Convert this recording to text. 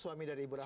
suami dari bu rahma